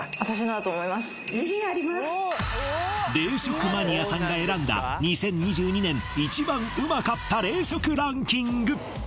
冷食マニアさんが選んだ２０２２年一番ウマかった冷食ランキング